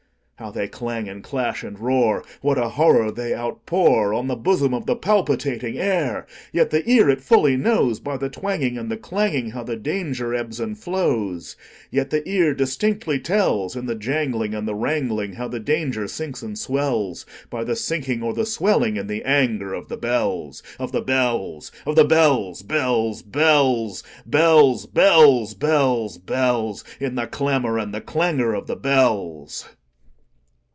How they clang, and clash, and roar! What a horror they outpourOn the bosom of the palpitating air! Yet the ear it fully knows, By the twangingAnd the clanging, How the danger ebbs and flows; Yet the ear distinctly tells, In the janglingAnd the wrangling, How the danger sinks and swells,—By the sinking or the swelling in the anger of the bells, Of the bells, Of the bells, bells, bells, bells, Bells, bells, bells—In the clamor and the clangor of the bells!